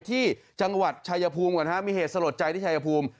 ที่จังหวัดชายภูมิก่อนฮะมีเหตุสลดใจที่ชายภูมิ